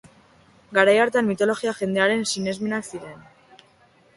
Garai hartan mitologia jendearen sinismenak ziren.